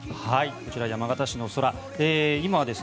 こちら、山形市の空です。